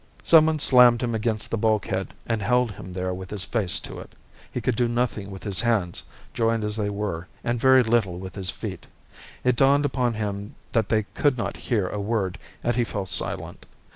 Someone slammed him against the bulkhead and held him there with his face to it. He could do nothing with his hands, joined as they were, and very little with his feet. It dawned upon him that they could not hear a word, and he fell silent.